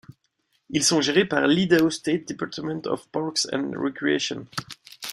Ils sont gérés par l'Idaho State Department of Parks and Recreation.